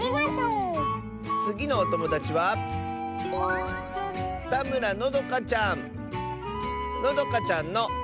つぎのおともだちはのどかちゃんの。